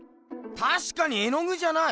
たしかに絵の具じゃない！